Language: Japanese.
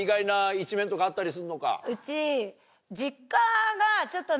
うち。